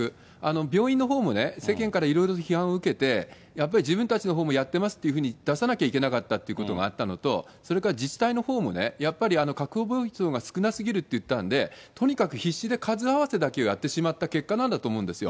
病院のほうもね、世間からいろいろ批判を受けて、やっぱり自分たちのほうもやってますっていうふうに出さなきゃいけなかったっていうのがあったのと、それから自治体のほうもね、やっぱり確保病床が少なすぎるって言ったんで、とにかく必死で数合わせだけをやってしまった結果なんだと思うんですよ。